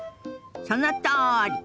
そのとおり！